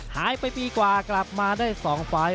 หายไปปีกว่ากลับมาได้สองฟ้าย